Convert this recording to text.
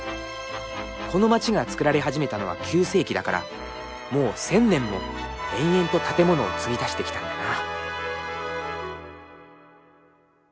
この街が造られ始めたのは９世紀だからもう千年も延々と建物を継ぎ足してきたんだな。